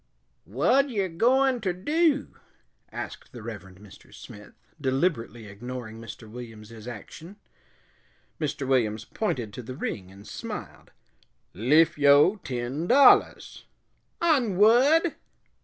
"Whad yer goin' ter do?" asked the Reverend Mr. Smith, deliberately ignoring Mr. Williams's action. Mr. Williams pointed to the ring and smiled. "Liff yo' ten dollahs." "On whad?"